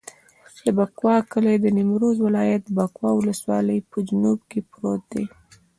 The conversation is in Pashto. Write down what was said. د بکوا کلی د نیمروز ولایت، بکوا ولسوالي په جنوب کې پروت دی.